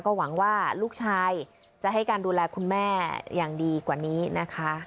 หวังว่าลูกชายจะให้การดูแลคุณแม่อย่างดีกว่านี้นะคะ